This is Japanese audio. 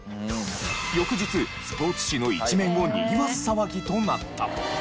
翌日スポーツ紙の１面をにぎわす騒ぎとなった。